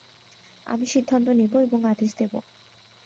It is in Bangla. আমি সিদ্ধান্ত নেব এবং আদেশ দেব।